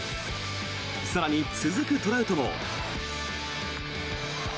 更に、続くトラウトも。